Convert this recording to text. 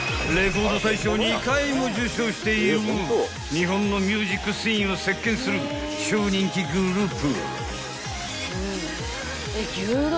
［日本のミュージックシーンを席巻する超人気グループ］